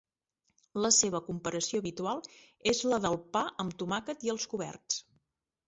La seva comparació habitual és la del pa amb tomàquet i els coberts.